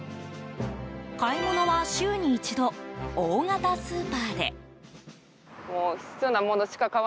買い物は週に１度大型スーパーで。